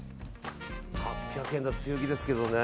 ８００円が強気ですけどね。